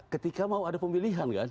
ketika mau ada pemilihan kan